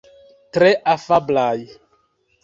Tre afablaj.